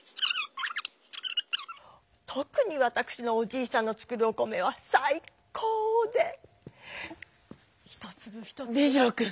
とくにわたくしのおじいさんの作るお米はさい高で一つぶ一つぶが。